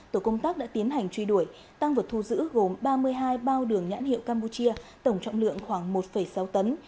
tổ công tác đã tiến hành truy đuổi tăng vật thu giữ gồm ba mươi hai bao đường nhãn hiệu campuchia tổng trọng lượng khoảng một sáu tấn